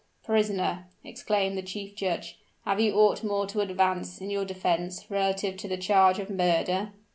"Prisoner!" exclaimed the chief judge, "have you ought more to advance in your defense, relative to the charge of murder?"